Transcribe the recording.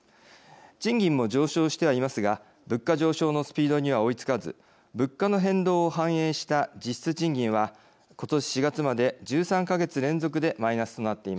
賃金も上昇してはいますが物価上昇のスピードには追いつかず物価の変動を反映した実質賃金は今年４月まで１３か月連続でマイナスとなっています。